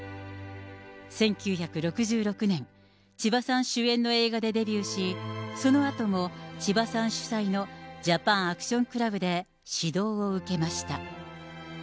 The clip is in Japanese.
１９６６年、千葉さん主演の映画でデビューし、そのあとも千葉さん主催のジャパンアクションクラブで指導を受けました。